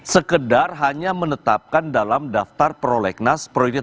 sekedar hanya menetapkan dalam daftar prolegnas prioritas